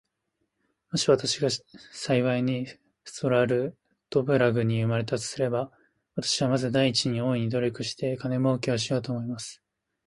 もし私が幸いにストラルドブラグに生れたとすれば、私はまず第一に、大いに努力して金もうけをしようと思います。